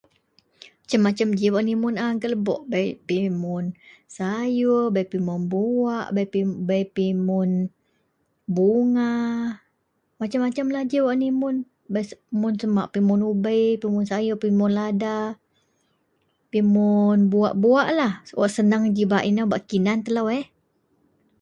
Masem-masem g wak imun a gak lebok, bei a pimun sayur, pimun buwak, pimun bunga. Masem-masem lah g nimun. Mun se mak pimun ubei, pimun sayur, pimun lada, pimun buwak-buwaklah wak seneang g bak kinan telo.